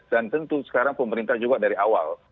dan tentu sekarang pemerintah juga dari awal